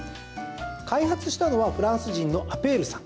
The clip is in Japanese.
開発したのはフランス人のアペールさん。